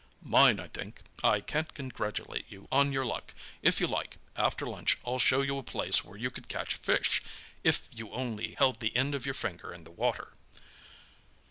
"Mine, I think—I can't congratulate you on your luck! If you like, after lunch, I'll show you a place where you could catch fish, if you only held the end of your finger in the water!"